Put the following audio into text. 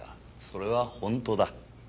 それは本当だ。